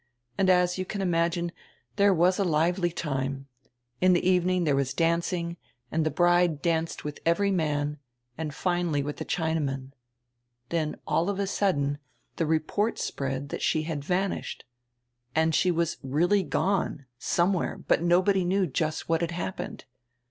And, as you can imagine, diere was a lively time. In die evening diere was dancing, and die bride danced widi every man and finally widi die China man. Then all of a sudden die report spread diat she had vanished. And she was really gone, somewhere, but nobody knew just what had happened.